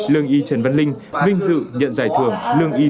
lương y trần văn linh là một lương y có tích cực trong phong trào khám chữa bệnh nhân